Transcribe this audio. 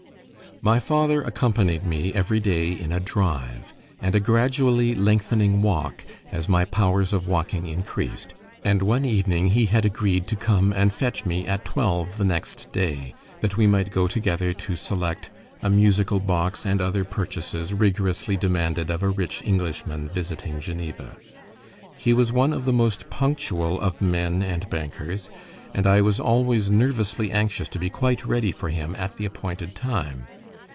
My father accompanied me every day in a drive, and a gradually lengthening walk as my powers of walking increased; and one evening he had agreed to come and fetch me at twelve the next day, that we might go together to select a musical box, and other purchases rigorously demanded of a rich Englishman visiting Geneva. He was one of the most punctual of men and bankers, and I was always nervously anxious to be quite ready for him at the appointed time.